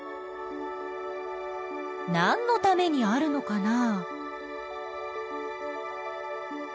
なんのためにあるのかな？